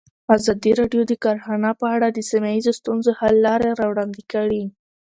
ازادي راډیو د کرهنه په اړه د سیمه ییزو ستونزو حل لارې راوړاندې کړې.